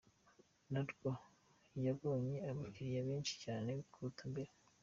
rw ngo yabonye abakiriya benshi cyane kuruta mbere.